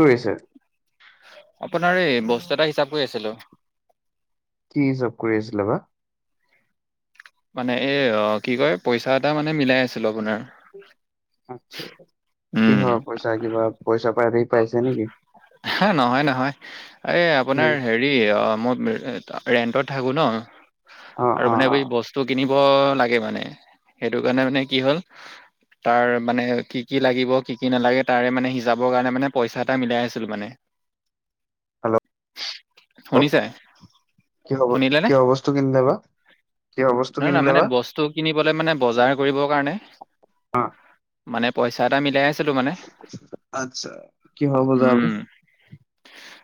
কৰিছে? আপোনাৰ এই, বস্তু এটা হিচাপ কৰি আছিলোঁ। কি হিচাপ কৰি আছিলে বা? মানে এই অ, কি কয়, পইচা এটা মানে মিলাই আছিলো আপোনাৰ। আচ্ছা, কি উম হৰ পইচা কিবা পইচা পাতি পাইছে নেকি? নহয়, নহয় এই উম, আপোনাৰ হেৰি মই ৰেণ্টট থাকোঁ ন, অ', আৰু অ', মানে অ', বস টো কিনিব লাগে মানে, সেইটো কাৰণে মানে কি হ'ল তাৰ মানে কি কি লাগিব কি কি নালাগে তাৰে মানে হিচাপৰ কাৰণে মানে পইচা এটা মিলাই আছে। ছিল মানে। হেল্ল'। শুনিছা। কিয় কিয় বস্তু কিনিলা বা? কিহৰ বস্তু নহয় নহয় কিনিলে মানে বা? বস্তু কিনিবলৈ মানে বজাৰ কৰিবৰ কাৰণে। অ', মানে পইচা এটা মিলাই আছিলো মানে। আত্ছা, কিহৰ বজাৰ? [unintelligible]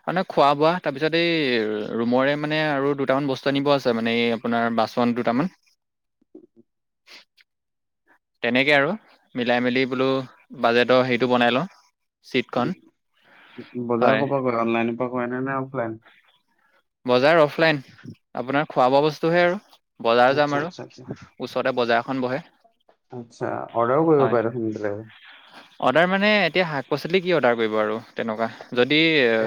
আৰু নে খোৱা বোৱা তাৰ পিছত এই ৰুমৰে মানে আৰু দুটামান বস্তু আনিব আছে মানে এই আপোনাৰ বাচন দুটামান। তেনেকে আৰু, মিলাই মেলি বোলো বাজেটৰ হেৰিটো বনাই লওঁ। চিটখন উম, বজাৰ হয় ক'ৰ পৰা কৰা, অনলাইনৰ পৰা কৰা নে নে অফলাইন? বজাৰ অফলাইন, আপোনাৰ খোৱা বোৱা বস্তু হে আৰু, বজাৰ আচ্ছা, যাম আৰু। আচ্ছা, আচ্ছা। ওচৰতে বজাৰখন বহে। আচ্ছা, অৰ্ডাৰও কৰিব হয় পাৰে দেখোন অৰ্ডাৰ মানে এতিয়া শাক পাচলি কি অৰ্ডাৰ কৰিব আৰু, তেনেকুৱা, যদি এ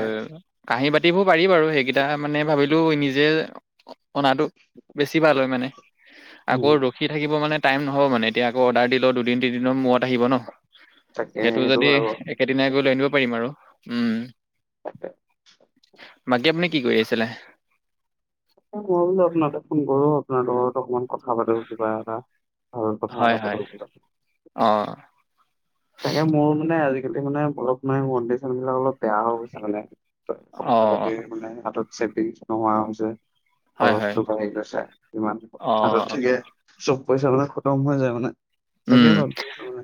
কাঁহী বাতিবোৰ পাৰি বাৰু, সেইকেইটা মানে ভাবিলোঁ নিজে অনাটো বেছি ভাল হয় মানে, উম, আকৌ ৰখি থাকিব মানে, টাইম নহ'ব মানে এতিয়া আকৌ অৰ্ডাৰ দিলেওঁ দুদিন তিনিদনৰ মূৰত আহিব ন'। তাকে সেইটো যদি হয় বাৰু। একেদিনাই গৈ লৈ নিব পাৰিম আৰু, উম। বাকী আপুনি কি কৰি আছিলে? মই বোলো আপোনাক এটা ফোন কৰো, আপোনাৰ লগত অকমান কথা পাতো কিবা এটা। ভাল কথা এটা হয়, পাতো হয়, বোলো। অ'। তাকে মোৰ মানে আজিকালি মানে অলপ মানে কণ্ডিচন বিলাক অলপ বেয়া হৈ গৈছে মানে। অ পইচা পাতি মানে হাতত চেভিং নোহোৱা হৈছে। হয় হয় খৰচটো বাঢ়ি গৈছে, ইমান অ হাতত চাগে সব পইচা মানে খতম হৈ যায় মানে, তাকে উম ভাবি আছো মানে।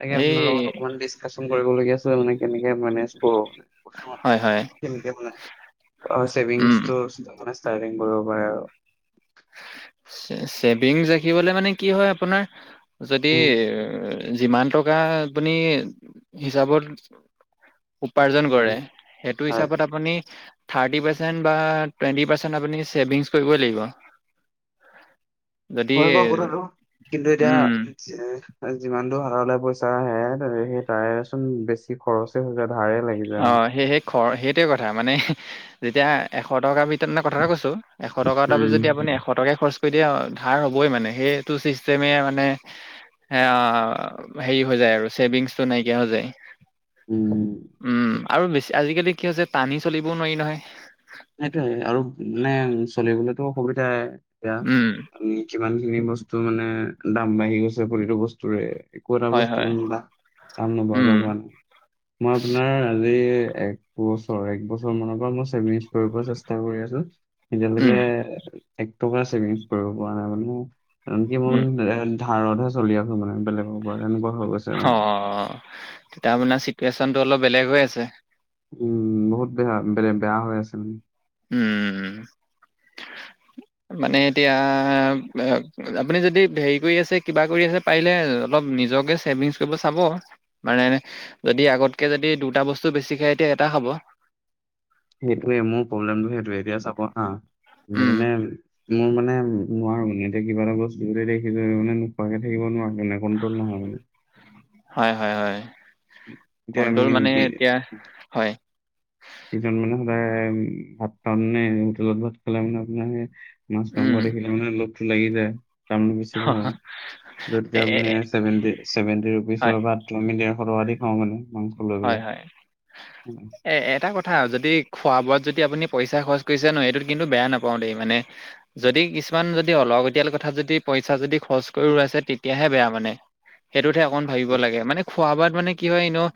তাকে এই আপোনাৰ লগত অকমান ডিচকাচন কৰিবলগীয়া আছিলে, মানে কেনেকে মেনেজ কৰোঁ? হয় হয় [unintelligible] উম ছেভিংছটো মানে ষ্টাৰ্টিং কৰিব পাৰে আৰু। ছে-ছেভিংছ ৰাখিবলে মানে কি হয় আপোনাৰ যদি উম, যিমান টকা আপুনি হিচাপত উপাৰ্জন কৰে, সেইটো হয়। হিচাপত আপ আপুনি থাৰ্টি পাৰ্চেণ্ট বা টুৱেন্টি পাৰ্চেণ্ট আপুনি ছেভিংছ কৰিবই লাগিব। যদি হয় বাৰু কথাটো। কিন্তু এতিয়া উম চে যিমানটো হাতলৈ পইচা আহে, সেই তাৰেচোন বেছি খৰচে হৈ যায়, ধাৰেই লাগি যায়। মোৰ। অ', সেই সেই খ সেইটোৱে কথা, মানে যেতিয়া এশ টকাৰ ভিতৰত মানে কথাটো কৈছোঁ। এশ টকা এটাপৰা যদি আপুনি উম। এশ টকাই খৰচ কৰি দিয়ে, ধাৰ হ'বই মানে সেইটো চিষ্টেমে মানে সেয়া, হেৰি হৈ যায় আৰু ছেভিংছটো নাইকিয়া হৈ যায়। উম, উম। উম, আৰু বেছি আজিকালি কি হৈছে টানি চলিবও নোৱাৰি নহয়। সেইটোয়ে আৰু মানে চলিবলেতো অসুবিধাই। এতিয়া উম আমি কিমানখিনি বস্তু মানে দাম বাঢ়ি গৈছে প্ৰতিটো বস্তুৰে আকো এটা হয় বস্তু হয় [unintelligible] দাম নবঢ়াকা উম হোৱা নাই। মই আপোনাৰ আজি এক বছৰ, এক বছৰ মানৰ পৰা মই ছেভিংছ। কৰিব চেষ্টা কৰি আছোঁ। এতিয়ালৈকে উম টকাও ছেভিংছ কৰিব পৰা নাই মানে। আনকি মই উম মানে [unintelligible] ধাৰতহে চলি আছোঁ মানে বেলেগৰ পৰা, এনেকুৱা হৈ গৈছে। মানে অ', তেতিয়া আপোনাৰ চিটুৱেশ্বনটো অলপ বেলেগ হৈ আছে। উম, বহুত বেয়া বেলে বেয়া হৈ আছে মানে। উম। মানে এতিয়া [unintelligible] আপুনি যদি হেৰি কৰি আছে কিবা কৰি আছে পাৰিলে অলপ নিজকে ছেভিংছ কৰিব চাব। মানে যদি আগতকে যদি দুটা বস্তু বেছি খায় এতিয়া এটা খাব। সেইটোয়ে মোৰ প্ৰব্লেমটো সেইটোয়ে এতিয়া চাব হা, উম মানে মোৰ মানে নোৱাৰো মানে এতিয়া কিবা এটা বস্তু যদি দেখিছো মানে নোখোৱাকে থাকিব নোৱাৰো মানে কণ্ট্ৰল নহয় হয়, হয়, হয় এতিয়া কণ্ট্ৰল মানে আমি এতিয়া, হয়। [unintelligible] মানে সদায় ভাত খাওঁতেনে হোটেলত ভাত খালে মানে আপোনাৰ মাছ মাংস উম দেখিলে মানে লোভটো লাগি যায়, দাম বেছি ভৰো। য'ত এ এতিয়া এ- আপুনি এ- ছেভেন টি ছেভেন টি হয় ৰুপিচৰ ভাততো আমি ডেৰশ টকা দি খাওঁ মানে। মাংস লৈ হয়, পেলাই হয়। উম। এ এটা কথা যদি খোৱা বোৱাত যদি আপুনি পইচা খৰছ কৰিছে ন, এইটোত কিন্তু বেয়া নাপাওঁ দেই। মানে যদি কিছুমান যদি অলগতিয়াল কথাত যদি পইছা যদি খৰচ কৰি উৰুৱাইছে তেতিয়াহে বেয়া মানে। সেইটোতহে অকণ ভাবিব লাগে, মানে খোৱা বোৱাত মানে কি হয় এনেও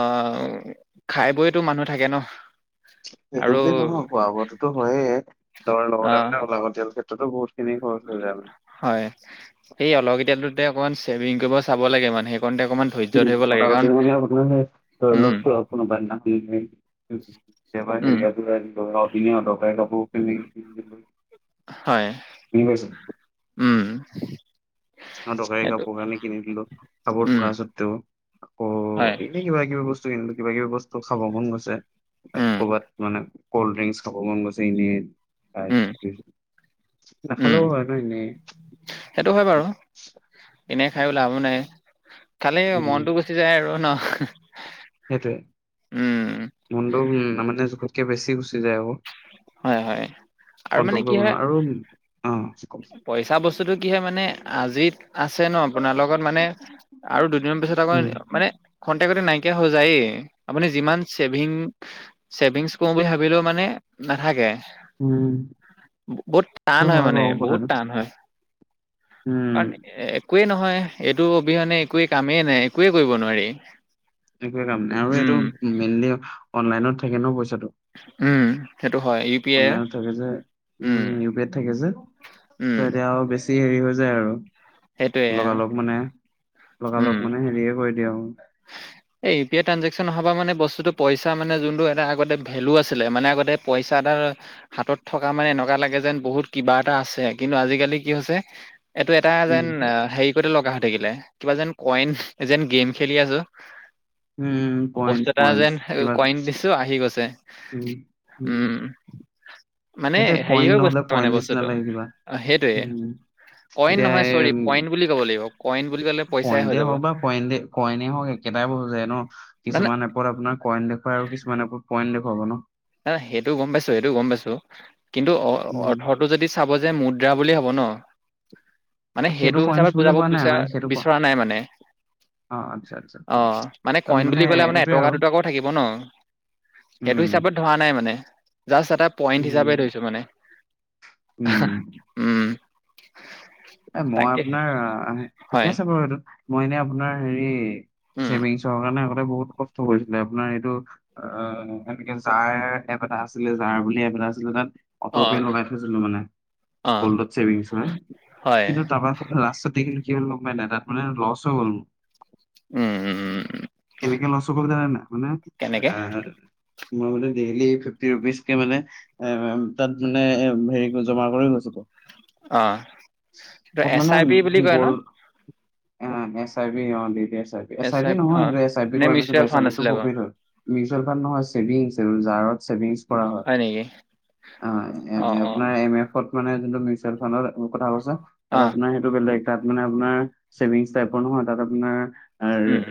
অ', খাই বৈতো মানুহ থাকে ন? সেইটো আৰু বুলি নহয়, খোৱা বোৱাতোতো হয়ে। তাৰ অ লগতে মানে অলাগতিয়াল ক্ষেত্ তাতো বহুতখিনি খৰছ হৈ যায় মানে। হয়, সেই অলাগতিয়ালতোতে অকণমান চেভিং কৰিব চাব লাগে মানে সেইকণতে অকণমান [unintelligible] এবাৰ হেৰিয়ত উম উম [unintelligible] অদৰকাৰী কাপোৰ পিন্ধি হয়, উম। অদৰকাৰী সেইটো কাপোৰ কানি কিনি দিলোঁ কাপোৰ উম থকা স্বত্বেও আকৌ হয় এই কিবা কিবি বস্তু কিনিলোঁ কিবা- কিবি বস্তু খাব মন গৈছে উম ক'ৰবাত মানে কল্ড ড্ৰিংকস খাব মন গৈছে এনেয়েই। খাই উম [unintelligible] উম নাখালেও হয় ন এনেই। সেইটো হয় বাৰু এনে খাই লাভো নাই, খালে উম মনটো বেছি গুচি যায় আৰু ন। সেইটোৱে উম মনটো তাৰ মানে জোখতকে বেছি গুচি যায় আকৌ। হয়, হয় আৰু মানে কন্ট্ৰল কি কৰিব হয়। নোৱাৰো আৰু অ কওকচোন। পইছা বস্তুটো কি হয় মানে আজিত আছে ন আপোনাৰ লগত মানে আৰু দুদিনৰ পিছত আকৌ উম মানে ক্ষন্তেকতে নাইকিয়া হৈ যায়েই আপুনি যিমান ছেভিং ছেভিংছ কৰো বুলি ভাবিলেও মানে নাথাকে। উম বহুত সেইটো টান হয় মানে বাৰু কথাটো বহুত টান হয়। উম কাৰণ একোৱে নহয় এইটো অবিহনে একোৱে কামেই নাই একোৱেই কৰিব নোৱাৰি। একোৱে কাম নাই আৰু এইটো উম মেইনলি অনলাইনত থাকে ন পইচাটো। উম, সেইটো হয় ই অনলাইনত থাকে যে, উ' ইউ-পিত থাকে যে উম ত' এতিয়া আৰু বেছি হেৰি হৈ যায় আৰু। সেইটোৱে আৰু। লগালগ মানে, উম লগালগ মানে হেৰিয়ে কৰি দিওঁ আৰু। এই ইউ-পি-আই ট্ৰে্জেকচন অহাৰ পৰা মানে বস্তুটো পইচা মানে যোনটো এটা আগতে ভেলু আছিলে মানে আগতে পইচা এটা হাতত থকা মানে এনেকুৱা লাগে যেন বহুত কিবা এটা আছে কিন্তু আজিকালি কি হৈছে এইটো এটা যেন উম হেৰি কৰিতে লগা হৈ থাকিলে কিবা যেন কইন যেন গেম খেলি আছোঁ। উম বস্তু পইণ্ট এটা পইণ্ট যেন কিবা কইন দিছোঁ আহি গৈছে। উম উম। মানে সেইটোৱে হেৰি কইন হৈ নহ'লে গৈছে মানে পইণ্ট নিচিনা বস্তুটো লাগে কিবা অ', সেইটোৱে। উম কইন এতিয়া নহয় এই চৰি পইন্ট বুলি কব লাগিব কইন বুলি কলে পইচাই হৈ যাব। কইন, কইনে হওঁক একেটাই বস্তু যায় ন না কিছুমান এপত আপোনাৰ কইন দে আৰু কিছমানে পইণ্ট দেখুৱাবব ন। ন সেইটো গ'ম পাইছোঁ, সেইটো গ'ম পাইছোঁ কিন্তু অ', উম অৰ্থ টো যদি চাব যে মুদ্ৰা বুলি হ'ব ন। মানে সেইটো পইন্টচ হিচাপে বুলি বুজাব কোৱা নাই বিচৰা, মানে সেইটো ক বিচৰা নাই মানে। অ আচ্ছা আচ্ছা ঠিক অ', আছে মানে তাৰ কইন বুলি কলে আপাৰ সেইটোৱে এটকা, আৰু দুটকাও থাকিব ন। সেইটো উম হিচাপত ধৰা নাই মানে জাষ্ট এটা পইণ্ট হিচাপে উম ধৰিছোঁ মানে। উম। উম। এ' মই তাকেহে আপোনাৰ ঠিকে হয় আছে বাৰু এইটো মই এনে আপোনাৰ হেৰি উম ছেভিংছৰ কাৰণে আগতে বহুত কষ্ট কৰিছিলে। আপোনাৰ এইটো আহ' এনেকে জাৰ এপ এটা আছিলে, জাৰ বুলি এপ এটা আছিলে তাত অ অট'পে লগাই থৈছিলোঁ মানে অ গল্ডত চছেভিংছ হয়। হয় কিন্তু তাৰপা লাষ্টত দেখিলোঁ কি হ' পাই নাই তাত মানে লচ হৈ গ'ল মো। উম উম উম উম। কেনেকে ল'চ হ'ল জানে নে নাই মানে কেনেকে মই মান ডেইলি ফিফটি ৰুপিজ কে মানে এ' তাত মানে এ হেৰি জমা কৰি গৈছোঁ। অ', এইটো মানে এছ-আই-পি বুলি কয় ন। গ'ল্ড অ', S I P [unintelligible] S S I P অ নহয়, সেইটো এচ আই পি নে কৰা নাছিলো, mutual S I fund P টো আছিলে বাৰু [unintelligible] মিউচুৱেল ফাণ্ড নহয় ছেভিংছ আৰু জাৰত ছেভিংছ কৰা হয়। অ' আপোনাৰ এম এফত মানে যোনটো মিউচুৱেল ফাণ্ডৰ কথা কৈছে তাত অ আপোনাৰ সেইটো বেলেগ মানে চেভিঙচ টাইপৰ নহয় তাত আপোনাৰ আৰু উম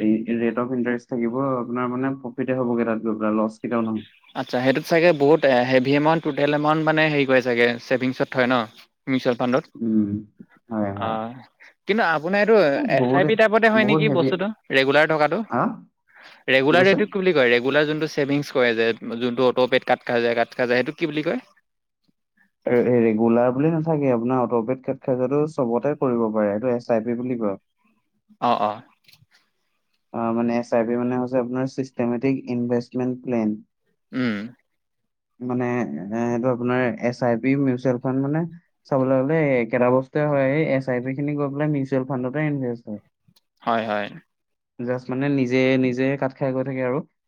ৰেট অফ ইণ্টাৰেষ্ট থাকিব। আপোনাৰ মানে প্ৰফিটে হ'বগে তাত গৈ পেলাই লছ কেতিয়াও নহয়। আচ্ছা সেইটোত চাগে বহুত হেভি এমাউন্ট টটেল এমাউন্ট মানে হেৰি কৰে চাগে চেভিংছত থয় ন। মিউচুৱেল ফাণ্ডত। উম। হয় হয় অ'। কিন্তু আপোনাৰ এইটো এই এছ আই বহুতে পি টাইপতে হয় বহুত নেকি হেভি বস্তুটো ৰেগুলাৰ থকাটো। হা ৰেগুলাৰ ৰেটত কি বুলি কয় ৰেগুলাৰ যোনটো ছেভিং কয় যে যোনটো অটো' পেত কাট খাই যায়, কাট খাই যায় সেইটো কি বুলি কয়? ৰেগুলাৰ বুলি নাথাকে। আপোনাৰ অট'পেত কাট খায় যোৱাটো চবতে কৰিব পাৰে সেইটো এছ আই পি বুলি কয়। অ', অ'। অ' মানে এছ-আই-পি মানে হৈছে আপোনাৰ চিষ্টেমেটিক ইনভেষ্টমেণ্ট প্লেন। উম। মানে এ সেইটো আপোনাৰ S I P, mutual fund মানে চাবলৈ গ'লে একেটা বস্তুে হয় এই এছ আই পি খিনি গৈ পেলাই মিউচুৱেল ফাণ্ডতে ইনভেষ্ট হয়। হয়, হয়। জাষ্ট মানে নিজে নিজে কাট খাই গৈ থাকে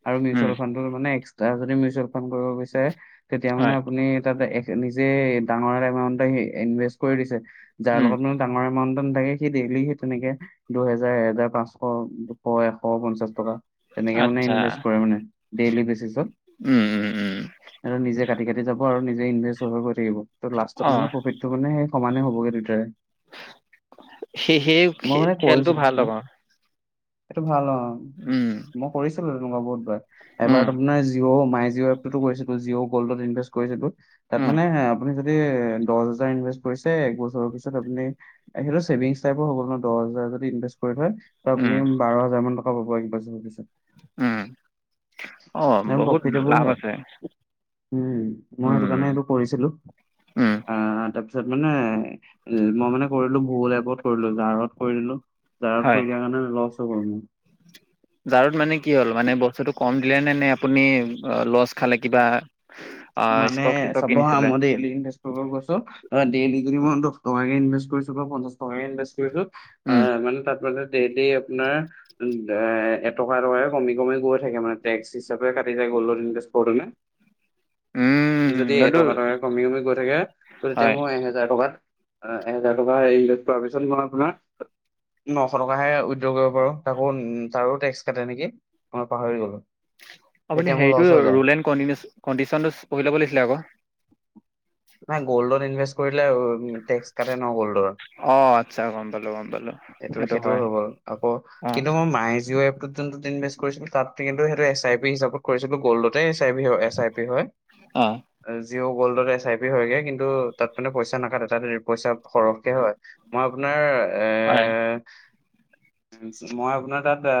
আৰু উম মিউচুৱেল ফাণ্ড মানে একচট্ৰা যদি মিউচুৱেল ফাণ্ড কৰিব বিচাৰে তেতিয়া মানে হয় আপুনি তাতে নিজে ডাঙৰ এ এমাউন্ট ইনভেষ্ট কৰি দিছে যাৰ উম লগত [unintelligible] ডাঙৰ এমাউন্ট নাথাকে সি ডেইলি সি তেনেকে দুহেজাৰ এহেজাৰ পাঁচশ দুশ, এশ, পঞ্চাশ টকা। তেনেকে মানে আচ্ছা ইনভেষ্ট কৰে মানে ডেইলি বেচিছত। উম উম উম আৰু নিজে কাটি কাটি যাব আৰু নিজে ইনভেষ্ট হৈ গৈ থাকিব। ত' লাষ্টত অ মানে প্ৰফিট সেটো মানে সেই সমানে হ'বগে দুয়টাৰে। সেই সেই মই মানে খেলটো ভাল কৰিছিলো লগা। সেইটো ভাল অ'। উম। মই কৰিছিলো তেনেকুৱা বহুতবাৰ। উম এবাৰ আপোনাৰ জিঅ' মাই জিঅ' টো কৰিছিলো জিও গোল্ডটো ইনভেষ্ট কৰিছিলো। তাত উম মানে আপোনি দহ হাজাৰ ইনভেষ্ট কৰিছে, এক বছৰৰ পিছত আপুনি, সেইটো ছেভিংছ টাইপৰ হ'ল ন। দহ হাজাৰ যদি ইনভেষ্ট কৰি থয়। ত আপুনি উম বাৰ হাজাৰ মান টকা পাব এক বছৰৰ পিছত। উম অঁ [unintelligible] বহুত প্ৰফিটেবল লাভ হয়। আছে উম, মই সেইটো উম, কাৰণে এইটো কৰিছিলো। উম, আহ, তাৰপিছত পিছত মানে মই মানে কৰিলো ভুল এপত কৰিলো জাৰত কৰি দিলো, জাৰত হয় কৰি সেইকাৰণে লছ হৈ গ'ল মোৰ। জাৰত মানে কি হ'ল মানে বস্তুটো কম দিলে নে নে আপুনি লছ খালে কিবা। মানে ষ্টক চিষ্টক চাব হা কিনিছিলে ম দেই [unintelligible] থৈ থৈ গৈছো, দেইলি যদি মই দহ টকাকে ইনভেষ্ট কৰিছো বা পঞ্চাশ টকে ইনভেষ্ট কৰিছো। উম, আহ, মানে তাত মানে ডেইলি আপোনাৰ উং এটকা এটকা কে কমি কমি গৈ থাকে মানে টেক্স হিচাপে কাটি গ'ল্ডত ইনকেষ্ট কৰটোনে যদি উম, এইটো এটকা টকা কমি কমি গৈ থাকে। তেতিয়া হয় মোৰ এহেজাৰ টকাত। অঁ', এহেজাৰ টকা এই পোৱাৰ পিছত মই আপোনাৰ- নশ টকাহে উদ্যোগ কৰিব পাৰো, তাকো, তাৰো টেক্স কাটে নেকি মই পাহৰি গ'লো। আপুনি তেতিয়া মোৰ হেৰিটো লছ হৈ যায় লোৰে কণ্ডিচন-কণ্ডিচনটো পঢ়ি ল'ব লাগিছিলে আক। নাই, গ'ল্ডত ইনভেষ্ট কৰিলে টেক্স কাটে ন' গ'ল্ডৰ। অঁ আচ্ছা গম পালোঁ গম পালোঁ সেইটো সেইটো-সেইটো হয় হৈ গ'ল। আকৌ অঁ কিন্তু মই মাই জিঅ' এপটো- যোনটোত ইনভেষ্ট কৰিছিলো তা'ত কিন্তু সেইটো এছ আই পি পিচাপত- কৰিছিলো, গ'ল্ডতে S I P, S I P হয়। অঁ জিঅ' গ'ল্ডতে এছ আই পি- হয় গে কিন্তু তা'ত মানে পইচা নাকাতে তা'ত পইচা সৰহকে হয়। মই আপোনাৰ এ হয় মই আপোনাৰ তা'ত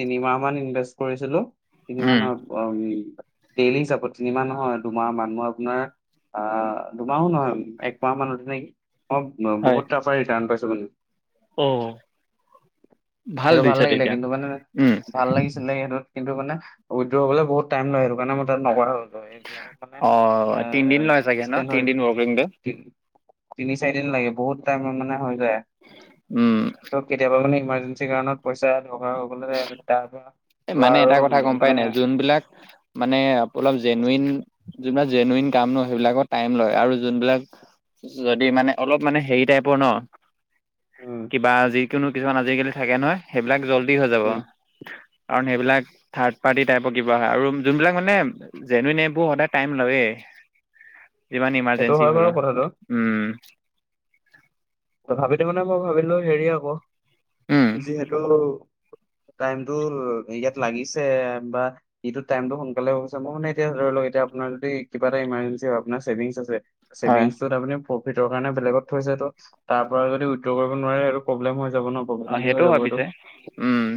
তিনিমাহ মান ইনভেষ্ট কৰিছিলো। তিনি মাহ উম, নহয়, ডেইলি হিচাপত তিনিমাহ নহয় দুমাহ মাহত আপোনাৰ- আহ', -দুমাহো নহয়, একমাহ মানতে নেকি মই হয় বহুত ৰিটাৰ্ণ পাইছো মানে। অঁ সেইটো ভাল দিছে লাগিলে তেতিয়া কিন্তু মানে উম। ভাল লাগি- ছিলে, সেইটো কিন্তু মানে উইড্ৰ হ'বলৈ বহুত টাই লয় সেইটো কাৰণে মই তা'ত নকৰা হৈ গ'লো। অঁ', তিনদিন লয় চাগে ন' তিনদিন ৱৰ্কিং দে। তিনি-চাৰি দিন লাগে, বহুত টাইম মানে হৈ যায়। উম ত' কেতিয়াবা মানে ইমাৰ্জে- ন্সি কাৰণত পইচা দৰাৰ হৈ গ'লে তাৰ পৰা- এ' লোৱা মানে আৰু এটা কথা গম পাই মানে নাই যোনবিলাক- মানে অলপ জেনুৱেইন যোনবিলাক জেনেৱেইন কাম ন' সেইবিলাকত টাইম লয়, আৰু যোনবিলাক- যদি মানে অলপ মানে হেৰি টাইপৰ ন'- উম কিবা যিকোনো কিছুমান আজিকালি থাকে নহয় সেইবিলাক জল্দি হৈ যাব। উম কাৰণ সেইবিলাক থাৰ্ড পাৰ্টি টাইপৰ কিবা হয়, আৰু যোনবিলাক মানে- যেনুৱেইনবোৰ সদায় টাইম লয়েই যিমান সেইটো হয় ইমানজেঞ্চি বাৰু হ'লো। কথাটো উমঁ-উমঁ। তথাপিতো মানে মই ভাবিলো হেৰি আকৌ উম যিহেতু- টাইমটো ইয়াত লাগিছে বা- ইটো টাইমটো সোনকালে হৈ গৈছে, মোৰ মানে এতিয়া ধৰি লওঁক এতিয়া আপোনাৰ যদি কিবা এটা ইমাৰ্জেঞ্চি হয়, আপোনাৰ ছেভিংছ আছে- হয় ছেভিংছত আপুনি প্ৰফিটৰ কাৰণে বেলেগত থৈছে তো। তাৰ পৰা যদি উইড্ৰ কৰিব নোৱাৰে আৰু প্ৰব্লেম হৈ যাব ন'। অঁ', প্ৰব্লেমেটিক হৈ -সেইটো যাব হয় পিছে, উমঁ।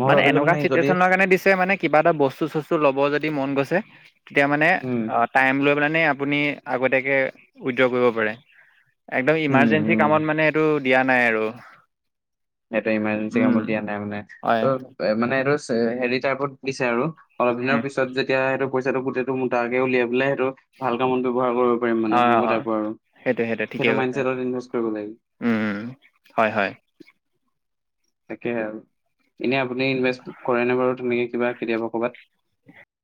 মই মানে ভাবিলো এনেকুৱা যদি চিটুৱেচনৰ কাৰণে দিছে মানে- কিবা এটা বস্তু-চস্তু ল'ব যদি মন গৈছে তেতিয়া মানে উম আহ', - টাইম লৈ পেলাই মানে আপুনি আগতীয়াকৈ উইড্ৰ কৰিব পাৰে। একদম উম ইমাৰজেঞ্চি উম কামত মানে এইটো দিয়া নাই আৰু। সেইটো ইমাৰজেঞ্চি উম কামত দিয়া নাই মানে, হয় ত' মানে এইটো হেৰি টাইপত দিছে আৰু। অলপ দিনৰ উম পিছত যেতিয়া সেইটো পইচাটো গোটেইটো মোটাকে উলিয়াই পেলাই সেইটো- ভাল কামত ব্যৱহাৰ কৰিব পাৰিম মানে হয় তেনেকুৱা হয় টাইপৰ আৰু, সেইটো মাইনচেটত ইনভেষ্ট কৰিব লাগিব। উমঁ, হয়-হয়। তাকে'হে। এনেই আপুনি ইনভেষ্ট কৰে নে বাৰু তেনেকৈ কিবা কেতিয়াবা কৰ'বাত? [inaudible]